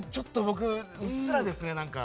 うっすらですね。